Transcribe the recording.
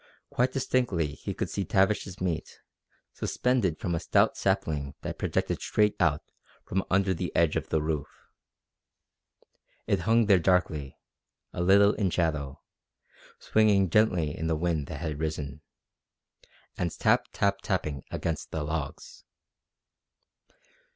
Quite distinctly he could see Tavish's meat, suspended from a stout sapling that projected straight out from under the edge of the roof. It hung there darkly, a little in shadow, swinging gently in the wind that had risen, and tap tap tapping against the logs.